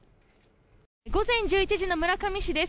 午前１１時の村上市です。